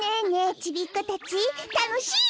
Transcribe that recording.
ちびっこたちたのしイ？